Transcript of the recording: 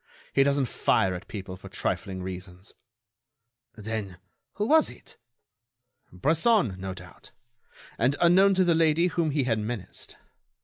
He doesn't fire at people for trifling reasons." "Then, who was it?" "Bresson, no doubt, and unknown to the lady whom he had menaced.